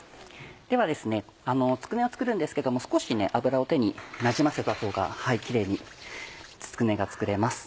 ではつくねを作るんですけども少し油を手になじませたほうがキレイにつくねが作れます。